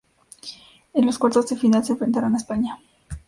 En los cuartos de final se enfrentarán a España.